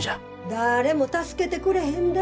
だれも助けてくれへんで。